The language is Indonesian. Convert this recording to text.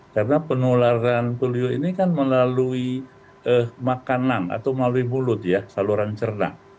karena penularan polio ini kan melalui makanan atau melalui mulut ya saluran cerna